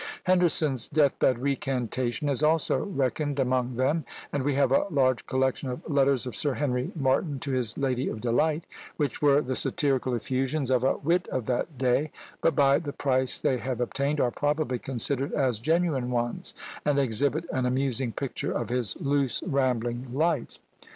Henderson's death bed recantation is also reckoned among them; and we have a large collection of "Letters of Sir Henry Martin to his Lady of Delight," which were the satirical effusions of a wit of that day, but by the price they have obtained, are probably considered as genuine ones, and exhibit an amusing picture of his loose rambling life.